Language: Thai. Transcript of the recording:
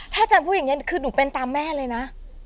ถ้าอาจารย์พูดอย่างนี้คือหนูเป็นตามแม่เลยนะ